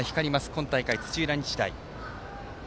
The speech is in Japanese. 今大会、土浦日大。